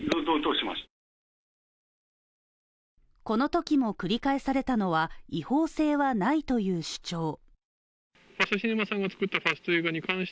このときも、繰り返されたのは違法性はないという主張。